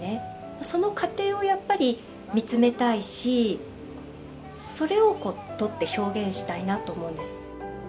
その過程をやっぱりみつめたいしそれを撮って表現したいなと思うんです。